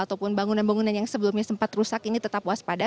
ataupun bangunan bangunan yang sebelumnya sempat rusak ini tetap waspada